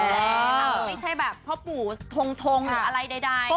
ไม่ใช่แบบพ่อปู่ทงหรืออะไรใด